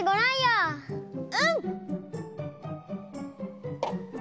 うん！